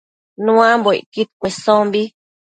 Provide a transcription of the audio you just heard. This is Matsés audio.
Nuambocquid cuesombi